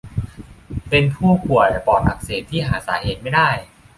เป็นผู้ป่วยปอดอักเสบที่หาสาเหตุไม่ได้